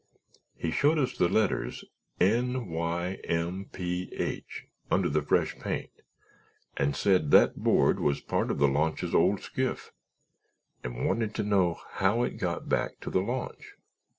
He showed us the letters N Y M P H under the fresh paint and said that board was part of the launch's old skiff and wanted to know how it got back to the launch.